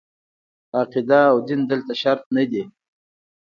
عقیده او دین دلته شرط نه دي.